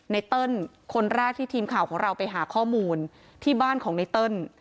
เติ้ลคนแรกที่ทีมข่าวของเราไปหาข้อมูลที่บ้านของไนเติ้ล